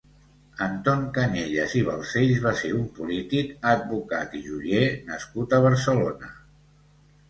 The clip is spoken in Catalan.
Anton Cañellas i Balcells va ser un polític, advocat i joier nascut a Barcelona.